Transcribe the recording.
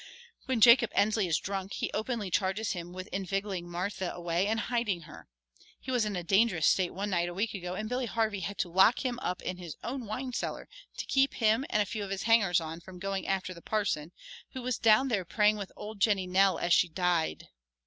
When Jacob Ensley is drunk he openly charges him with inveigling Martha away and hiding her. He was in a dangerous state one night a week ago and Billy Harvey had to lock him up in his own wine cellar to keep him and a few of his hangers on from 'going after the parson,' who was down there praying with old Jennie Neil as she died.